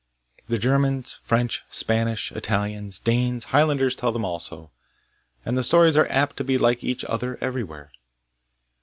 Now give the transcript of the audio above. The Germans, French, Spanish, Italians, Danes, Highlanders tell them also, and the stories are apt to be like each other everywhere.